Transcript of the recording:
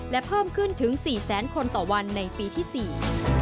และเพิ่มขึ้นถึงสี่แสนคนต่อวันในปีที่สี่